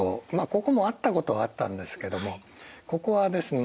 ここもあったことはあったんですけどもここはですね